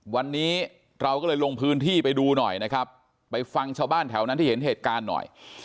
วันนี้เราก็เลยลงพื้นที่ไปดูหน่อยนะครับไปฟังชาวบ้านแถวนั้นที่เห็นเหตุการณ์หน่อย